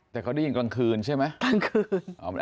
แต่เขาได้ยินกลางคืนใช่ไหมกลางคืน